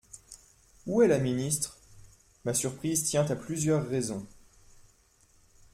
Où est la ministre ? Ma surprise tient à plusieurs raisons.